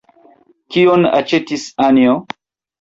Kion aĉetis Anjo?